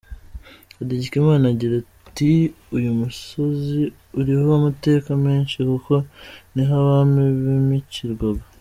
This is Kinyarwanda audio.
Hategekimana agira ati ”Uyu musozi uriho amateka menshi, kuko ni ho abami bimikirwagwa.